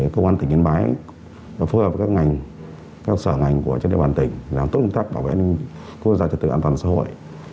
công an tỉnh yên bái phối hợp với các ngành các sở ngành của chân đề bàn tỉnh làm tốt công tác bảo vệ quốc gia trật tự an toàn xã hội